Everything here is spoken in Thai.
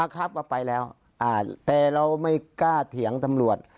ครับก็ไปแล้วแต่เราไม่กล้าเถียงตำรวจ